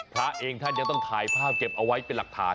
พระเองท่านยังต้องถ่ายภาพเก็บเอาไว้เป็นหลักฐาน